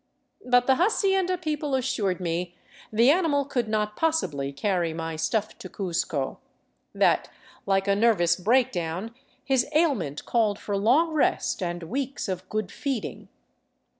But the hacienda people assured me the animal could not possibly carry my stuff to Cuzco ; that, like a nervous breakdown, his ailment called for long rest and weeks of good feeding.